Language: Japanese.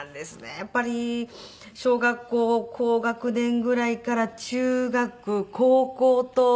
やっぱり小学校高学年ぐらいから中学高校と。